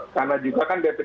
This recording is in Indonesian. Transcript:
karena juga kan bpjs kesehatan